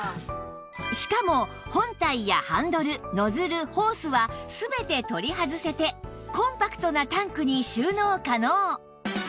しかも本体やハンドルノズルホースは全て取り外せてコンパクトなタンクに収納可能